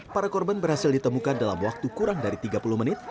para korban berhasil ditemukan dalam waktu kurang dari tiga puluh menit